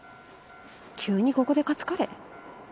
急にここでカツカレー？